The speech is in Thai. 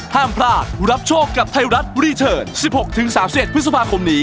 ห้ามพลาดรับโชคกับไทยรัฐรีเทิร์น๑๖๓๑พฤษภาคมนี้